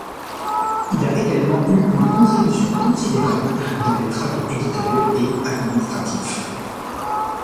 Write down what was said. Il a également eu une contribution considérable dans des travaux éditoriaux et administratifs.